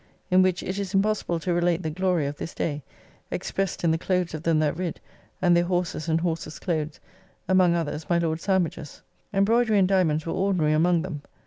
In which it is impossible to relate the glory of this day, expressed in the clothes of them that rid, and their horses and horses clothes, among others, my Lord Sandwich's. Embroidery and diamonds were ordinary among them.